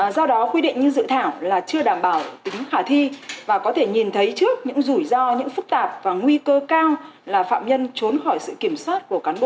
do đó quy định như dự thảo là chưa đảm bảo tính khả thi và có thể nhìn thấy trước những rủi ro những phức tạp và nguy cơ cao là phạm nhân trốn khỏi sự kiểm soát của cán bộ